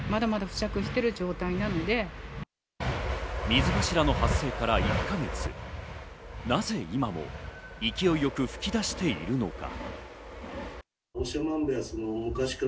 水柱の発生から１か月、なぜ今も勢いよく噴き出しているのか。